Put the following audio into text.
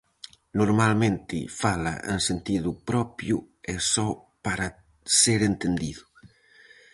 Normalmente fala en sentido propio e só para ser entendido.